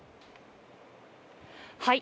はい。